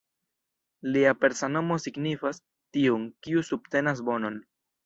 Lia persa nomo signifas ""tiun, kiu subtenas bonon"".